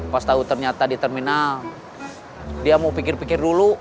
pas tahu ternyata di terminal dia mau pikir pikir dulu